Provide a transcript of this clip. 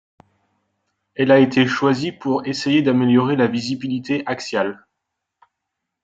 Elle a été choisie pour essayer d'améliorer la visibilité axiale.